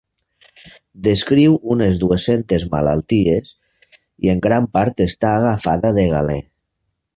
Descriu unes dues-centes malalties i en gran part està agafada de Galè.